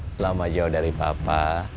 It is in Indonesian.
selama jauh dari papa